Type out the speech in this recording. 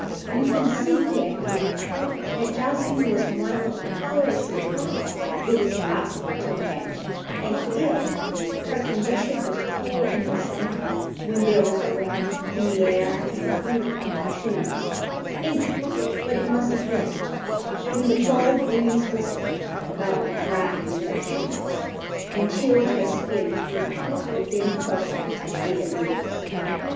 You can see, can't you, that Jocelyne was one of the poorest little girls it is possible to imagine ; and, if her con dition was cruel in the summer, — when there was warmth in the air and fruit upon the trees, — think what it must have been when the cold breeze whistled about the dry nut trees, and chilled her skin through the thin covering of dead leaves.